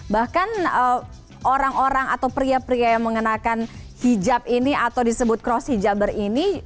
bahkan orang orang atau pria pria yang mengenakan hijab ini atau disebut cross hijaber ini